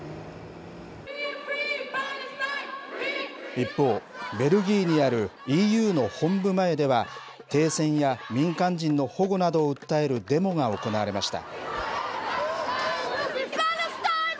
一方、ベルギーにあるＥＵの本部前では、停戦や民間人の保護などを訴えるデモが行われました。